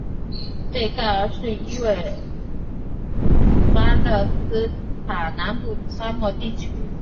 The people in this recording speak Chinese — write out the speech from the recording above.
内盖夫是一个位于巴勒斯坦南部的沙漠地区。